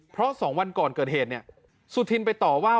เพราะ๒วันก่อนเกิดเหตุเนี่ยสุธินไปต่อว่า